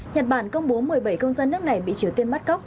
nhật bản công bố một mươi bảy công dân nước này bị triều tiên bắt cóc